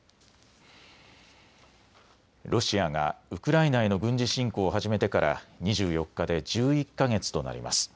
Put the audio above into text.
ロシアがウクライナへの軍事侵攻を始めてから２４日で１１か月となります。